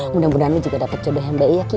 mudah mudahan lu juga dapet jodoh yang baik ya ki